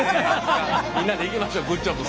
みんなでいきましょうグッジョブ。